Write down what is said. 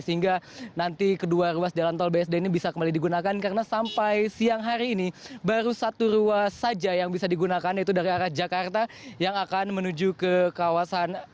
sehingga nanti kedua ruas jalan tol bsd ini bisa kembali digunakan karena sampai siang hari ini baru satu ruas saja yang bisa digunakan yaitu dari arah jakarta yang akan menuju ke kawasan